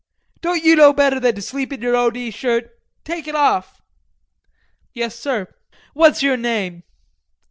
"Don't you know better than to sleep in your O. D. shirt? Take it off." "Yes, sir." "What's your name?"